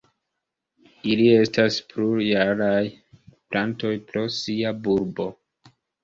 Ili estas plurjaraj plantoj pro sia bulbo.